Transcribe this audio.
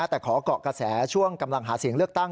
แต่ขอเกาะกระแสช่วงกำลังหาเสียงเลือกตั้ง